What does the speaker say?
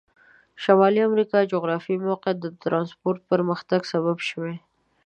شمالي امریکا جغرافیایي موقعیت د ترانسپورت پرمختګ سبب شوي.